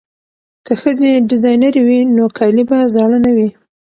که ښځې ډیزاینرې وي نو کالي به زاړه نه وي.